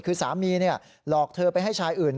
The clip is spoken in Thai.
คือสามีหลอกเธอไปให้ชายอื่น